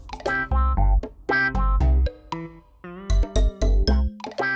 ชื่อฟอยแต่ไม่ใช่แฟง